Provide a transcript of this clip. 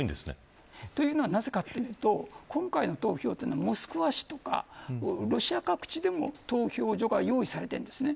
というのは、なぜかというと今回でいうとモスクワ市やロシア各地でも投票所が用意されています。